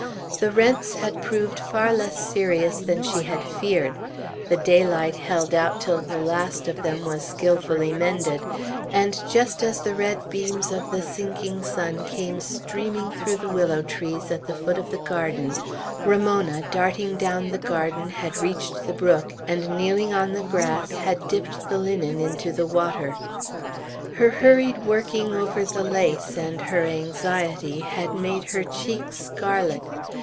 The rents had proved far less serious than she had feared; the daylight held out till the last of them was skilfully mended; and just as the red beams of the sinking sun came streaming through the willow trees at the foot of the garden, Ramona, darting down the garden, had reached the brook, and kneeling on the grass, had dipped the linen into the water. Her hurried working over the lace, and her anxiety, had made her cheeks scarlet.